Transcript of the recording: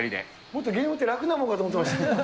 もっとゲームって楽なものだと思ってました。